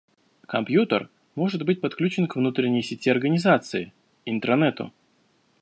Компьютер может быть подключен к внутренней сети организации – интранету